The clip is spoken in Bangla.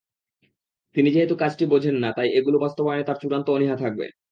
তিনি যেহেতু কাজটি বোঝেন না, তাই এগুলো বাস্তবায়নে তাঁর চূড়ান্ত অনীহা থাকবে।